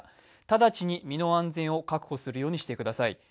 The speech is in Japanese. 直ちに身の安全を確保するようにしてください。